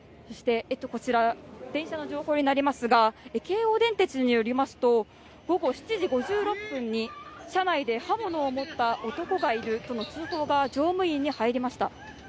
電車の情報になりますが、京王電鉄によりますと午後７時５６分に車内で刃物を持った男がいるとの通報が乗務員に入りました。